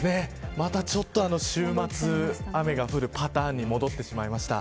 また、週末雨が降るパターンに戻ってしまいました。